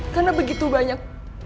karena begitu banyak